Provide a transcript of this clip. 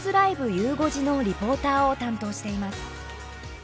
ゆう５時」のリポーターを担当しています。